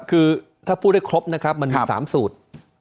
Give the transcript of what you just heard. คือถ้าพูดได้ครบนะครับมันมี๓สูตร